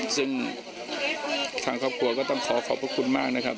ซึ่งทางครอบครัวก็ต้องขอขอบพระคุณมากนะครับ